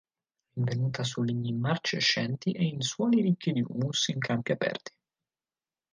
Rinvenuta su legni marcescenti e in suoli ricchi di humus in campi aperti.